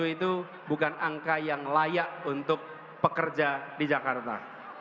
dua puluh itu bukan angka yang layak untuk pekerja di jakarta